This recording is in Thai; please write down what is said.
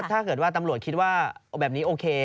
ถ้าเกิดว่าตำรวจคิดว่าแบบนี้โอเค